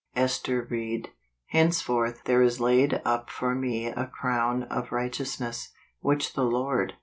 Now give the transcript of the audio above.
Ester Ried. "Henceforth there is laid up for me a crown of righteousness , which the Lord.